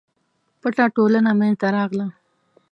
پټه ټولنه منځته راغله.